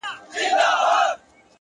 پوهه د تیارو افکارو ضد ده.